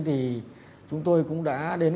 thì chúng tôi cũng đã đến